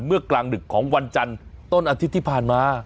กลางดึกของวันจันทร์ต้นอาทิตย์ที่ผ่านมา